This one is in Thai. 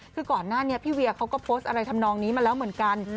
คือก่อนหน้านี้พี่เวียเขาก็โพสต์อะไรทำนองนี้มาแล้วเหมือนกัน